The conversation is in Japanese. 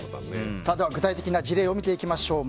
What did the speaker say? では、具体的な事例を見ていきましょう。